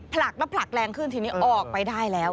ผลักแล้วผลักแรงขึ้นทีนี้ออกไปได้แล้ว